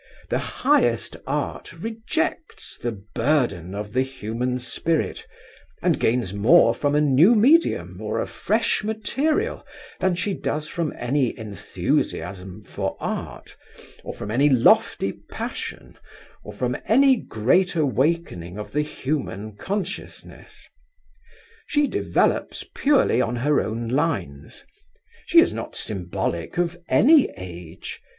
The highest art rejects the burden of the human spirit, and gains more from a new medium or a fresh material than she does from any enthusiasm for art, or from any lofty passion, or from any great awakening of the human consciousness. She develops purely on her own lines. She is not symbolic of any age.